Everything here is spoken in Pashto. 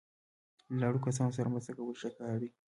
له اړو کسانو سره مرسته کول ښه کار دی.